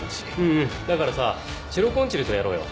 だからさチェロコンチェルトやろうよ。